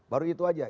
baru itu aja